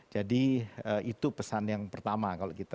jadi itu pesan yang pertama